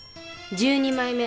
１２枚目？